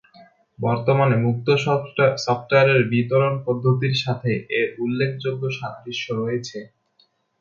বর্তমানে মুক্ত সফটওয়্যারের বিতরণ পদ্ধতির সাথে এর উল্লেখযোগ্য সাদৃশ্য রয়েছে।